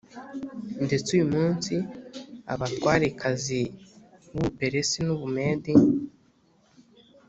Ndetse uyu munsi abatwarekazi b’u Buperesi n’u Bumedi